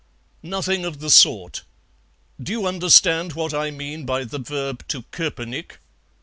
"Nothing of the sort. Do you understand what I mean by the verb to koepenick?